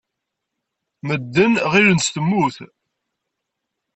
Medden ɣilen-tt temmut.